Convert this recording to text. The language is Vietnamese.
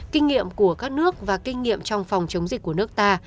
kinh nghiệm của các nước và kinh nghiệm trong phòng chống dịch của nước ta